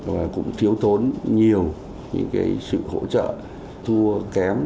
và cũng thiếu tốn nhiều những sự hỗ trợ thua kém